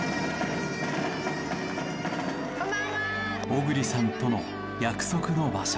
小栗さんとの約束の場所。